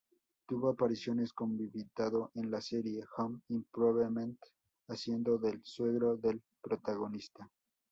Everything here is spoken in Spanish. Tuvo apariciones como invitado en la serie "Home Improvement", haciendo del suegro del protagonista.